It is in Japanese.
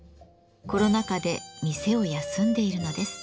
コロナ禍で店を休んでいるのです。